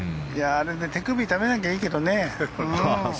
あれで手首を痛めなきゃいいけどね。